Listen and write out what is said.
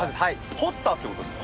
掘ったっていう事ですか？